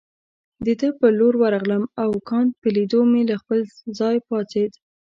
د ده پر لور ورغلم او کانت په لیدو مې له خپل ځای پاڅېد.